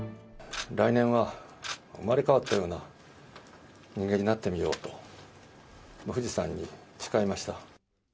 来年は生まれ変わったような人間になってみようと、富士山に誓いました。